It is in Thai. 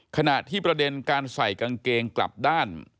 ขณะที่ประเด็นการใส่กางเกงกลับด้าน